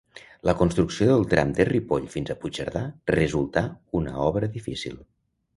La construcció del tram de Ripoll fins a Puigcerdà resultà una obra difícil.